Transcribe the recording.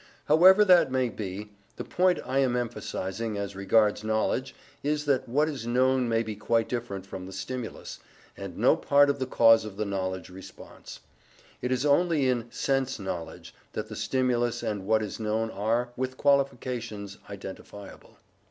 However that may be, the point I am emphasizing as regards knowledge is that what is known may be quite different from the stimulus, and no part of the cause of the knowledge response. It is only in sense knowledge that the stimulus and what is known are, with qualifications, identifiable.